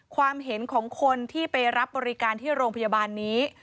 ความเห็นของคนที่ไปรับบริการที่โรงพยาบาลนี้